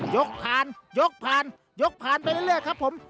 ผ่านยกผ่านยกผ่านไปเรื่อยครับผม